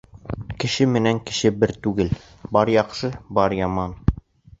Кеше менән кеше бер түгел: бар яҡшы. бар яман.